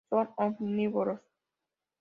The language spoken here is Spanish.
Son omnívoros.